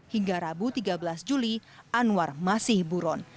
hingga rabu tiga belas juli anwar masih buron